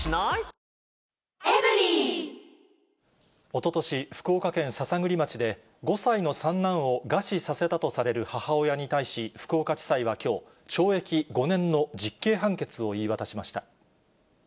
おととし、福岡県篠栗町で、５歳の三男を餓死させたとされる母親に対し、福岡地裁はきょう、懲役５年の実刑判決を言い渡しました。